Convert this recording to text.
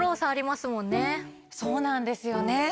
そうなんですよね。